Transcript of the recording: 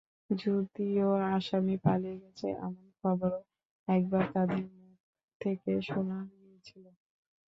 যদিও আসামি পালিয়ে গেছে এমন খবরও একবার তাদের মুখ থেকে শোনা গিয়েছিল।